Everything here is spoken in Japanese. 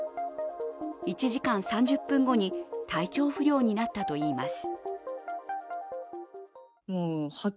１時間３０分後に体調不良になったといいます。